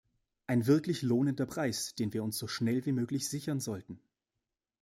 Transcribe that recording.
Ein wirklich lohnender Preis, den wir uns so schnell wie möglich sichern sollten.